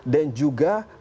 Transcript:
dan juga akan merusak